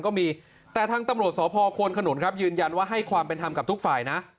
ก็มีแต่ทางตำรวจสพควนขนุนครับยืนยันว่าให้ความเป็นธรรมกับทุกฝ่ายนะ